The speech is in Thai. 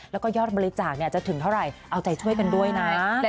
แล้วก็ยอดบริจาคจะถึงเท่าไหร่เอาใจช่วยกันด้วยนะ